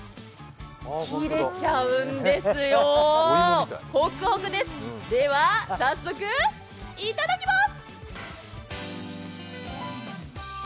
切れちゃうんですよ、ホクホクですでは、早速いただきます！